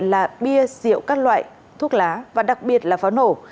là bia rượu các loại thuốc lá và đặc biệt là pháo nổ